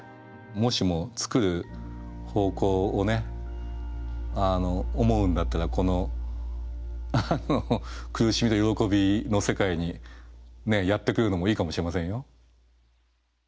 もしも作る方向を思うんだったらこの苦しみと喜びの世界にやって来るのもいいかもしれませんよ。